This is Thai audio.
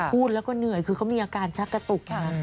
พูดแล้วก็เหนื่อยคือเขามีอาการชักกระตุกนะ